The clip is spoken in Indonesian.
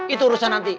itu urusan nanti